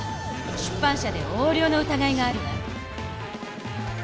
出版社で横領のうたがいがあるわ。